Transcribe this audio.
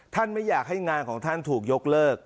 ไม่อยากให้งานของท่านถูกยกเลิก